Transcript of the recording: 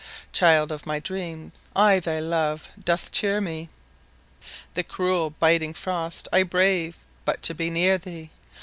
Child of my dreams I Thy love doth cheer me; The cruel biting frost I brave But to be near thee!